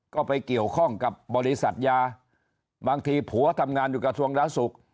ก็ไปเกี่ยวข้องกับบริษัทยาบางทีผัวทำงานอยู่กระทรวงด้านสุข